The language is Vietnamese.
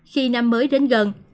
khi năm mới đến gần